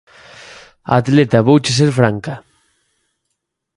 Atleta Vouche ser franca.